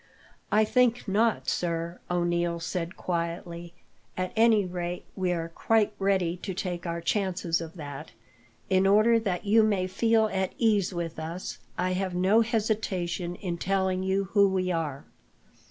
"I think not, sir," O'Neil said, quietly. "At any rate, we are quite ready to take our chance of that. In order that you may feel at ease with us, I have no hesitation in telling you who we are.